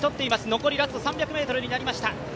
残りラスト３００ｍとなりました。